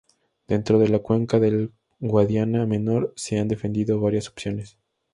Dentro de la cuenca del Guadiana Menor, se han defendido varias opciones.